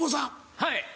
はい。